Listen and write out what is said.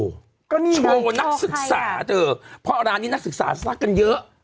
โชว์ว่านักศึกษาเพราะร้านนี้นักศึกษาสร้างกันเยอะ